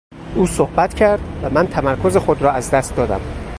او صحبت کرد و من تمرکز خود را از دست دادم.